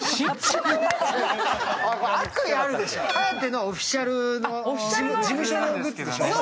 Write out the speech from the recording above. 颯のはオフィシャルの事務所のグッズでしょ。